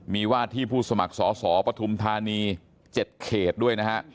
มีว่าที่ผู้สมัครสอสอปฐุมธานี๗เขตด้วยนะฮะ